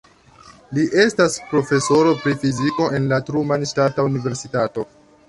Li estas profesoro pri fiziko en la Truman Ŝtata Universitato.